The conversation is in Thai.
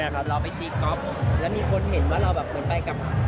แคดดี้